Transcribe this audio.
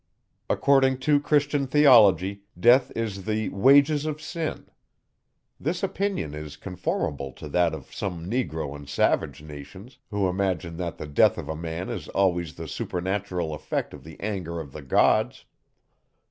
According to Christian theology, Death is the wages of sin. This opinion is conformable to that of some negro and savage nations, who imagine that the Death of a man is always the supernatural effect of the anger of the Gods.